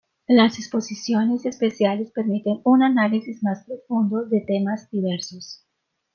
Las exposiciones especiales permiten un análisis más profundo de temas diversos.